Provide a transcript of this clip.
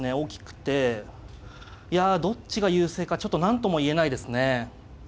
いやどっちが優勢かちょっと何とも言えないですね。